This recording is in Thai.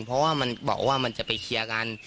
เพราะว่ามันบอกว่ามันจะไปเคลียร์กัน